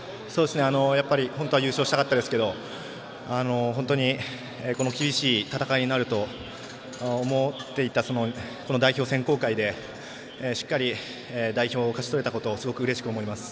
本当は優勝したかったですけど本当に、厳しい戦いになると思っていたその代表選考会でしっかり代表を勝ち取れたことすごくうれしく思います。